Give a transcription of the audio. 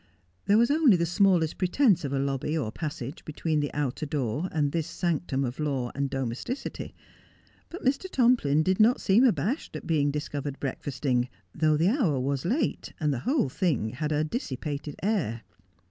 There was only the smallest pretence of a lobby or passage between the outer door and this sanctum of law and domesticity ; but Mr. Tomplin did not seem abashed at being discovered breakfasting, though the hour was late and the whole thing had adissipated air.